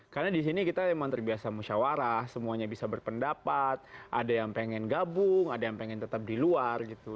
karena di sini kita memang terbiasa musyawarah semuanya bisa berpendapat ada yang pengen gabung ada yang pengen tetap di luar gitu